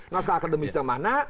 nah sekarang akademisnya mana